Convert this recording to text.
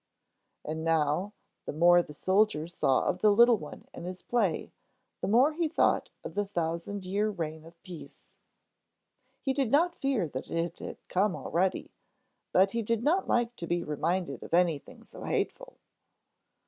And now, the more the soldier saw of the little one and his play, the more he thought of the Thousand year Reign of Peace. He did not fear that it had come already, but he did not like to be reminded of anything so hateful!